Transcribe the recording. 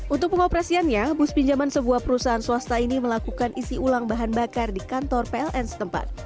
untuk pengoperasiannya bus pinjaman sebuah perusahaan swasta ini melakukan isi ulang bahan bakar di kantor pln setempat